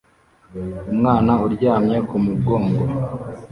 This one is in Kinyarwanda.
Umwana uryamye ku mugongo